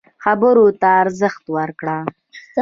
خبرو ته ارزښت ورکړه.